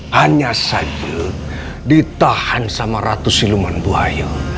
hanya saja ditahan sama ratu siluman buaya